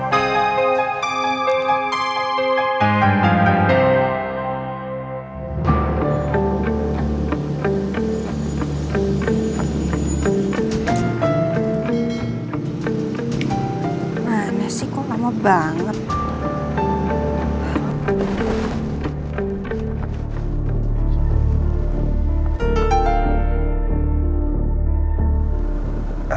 mana sih kok lama banget